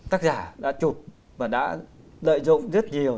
tác giả đã chụp và đã lợi dụng rất nhiều